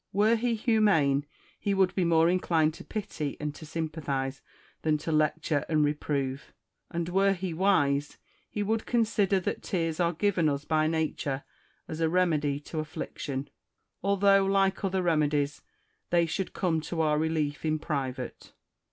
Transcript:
Were he humane, he would be more inclined to pity and to sympathise than to lecture and reprove ; and were he wise, he would consider that tears are given us by Nature as a remedy to affliction, although, like other remedies, they should come to our relief in private.